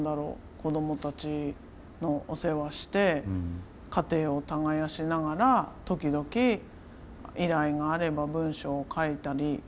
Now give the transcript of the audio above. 子どもたちのお世話して家庭を耕しながら時々依頼があれば文章を書いたり。